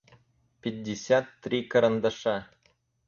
пятьдесят три карандаша